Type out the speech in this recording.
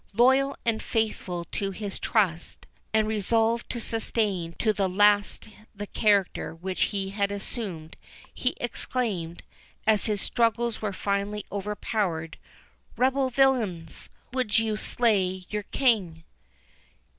Loyal and faithful to his trust, and resolved to sustain to the last the character which he had assumed, he exclaimed, as his struggles were finally overpowered, "Rebel villains! would you slay your king?"